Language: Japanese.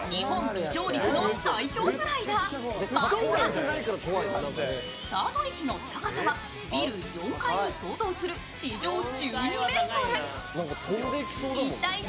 実上陸の最恐スライダーマンタスタート位置の高さはビル４階に相当する地上１２ｍ。